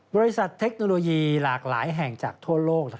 เทคโนโลยีหลากหลายแห่งจากทั่วโลก